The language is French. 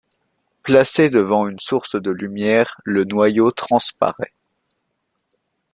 Placée devant une source de lumière, le noyau transparaît.